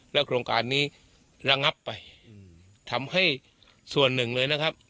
โครงการนี้ระงับไปทำให้ส่วนหนึ่งเลยนะครับ